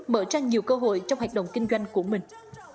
mở ra nhiều cơ hội trong hoạt động kinh doanh của mình